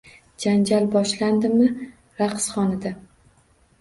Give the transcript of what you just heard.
Janjal boshlandimi raqsxonada